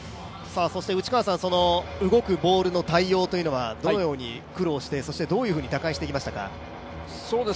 そして動くボールの対応というのはどのように苦労してそしてどういうふうに打開してきましたか？